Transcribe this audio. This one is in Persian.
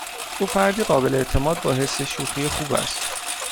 او فردی قابل اعتماد با حس شوخی خوب است.